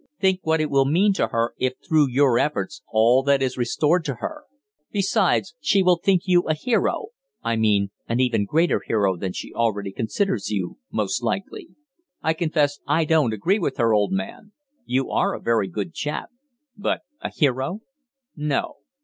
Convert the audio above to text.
Think what it will mean to her if through your efforts all that is restored to her. Besides, she will think you a hero I mean an even greater hero than she already considers you, most likely; I confess I don't agree with her, old man. You are a very good chap but a hero? No.